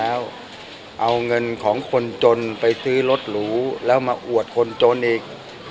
แล้วเอาเงินของคนจนไปซื้อรถหรูแล้วมาอวดคนจนอีก